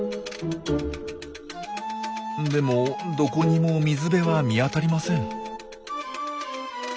でもどこにも水辺は見当たりません。